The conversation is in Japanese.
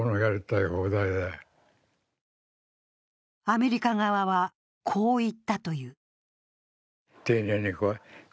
アメリカ側はこう言ったという。